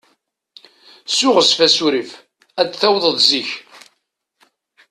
Ssiɣzef asurif, ad tawḍeḍ zik.